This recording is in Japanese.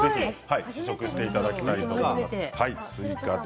試食していただきたいと思います。